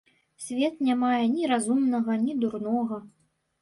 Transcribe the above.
Свет не мае ні разумнага, ні дурнога.